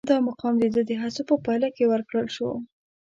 دا مقام د ده د هڅو په پایله کې ورکړل شو.